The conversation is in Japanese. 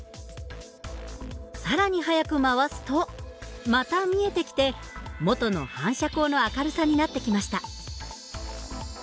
更に速く回すとまた見えてきて元の反射光の明るさになってきました。